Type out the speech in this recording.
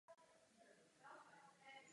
Lze tak zhotovit jen malý počet otisků.